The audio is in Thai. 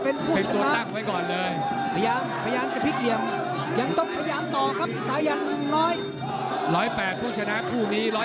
๑๐๘เป็นเพศสุพันธ์ผู้ชนะครบนี้๑๑๕นี่น้องโรซสที่หยุ่นไปละ